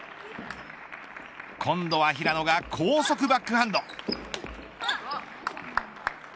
今度は平野が高速バックハンド。